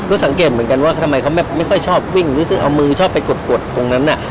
ก็สังเกตเหมือนกันว่าทำไมเขาไม่ค่อยชอบวิ่งรู้สึกเอามือชอบไปกดตรงนั้นน่ะ